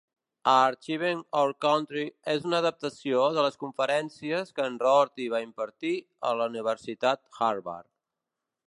"Achieving Our Country" és una adaptació de les conferències que en Rorty va impartir a la Universitat Harvard.